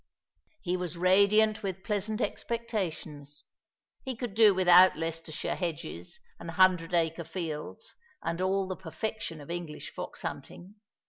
He was radiant with pleasant expectations. He could do without Leicestershire hedges, and hundred acre fields, and all the perfection of English fox hunting.